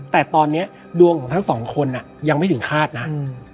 แต่ตอนนี้ดวงของทั้งสองคนยังไม่ถึงคาดนะ